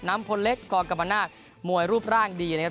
พลเล็กกรกรรมนาศมวยรูปร่างดีนะครับ